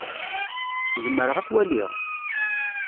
Zemreɣ ad t-waliɣ?